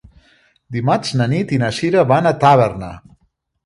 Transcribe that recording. Dimarts na Nit i na Cira van a Tàrbena.